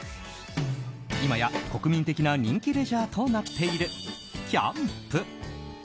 今や、国民的な人気レジャーとなっているキャンプ。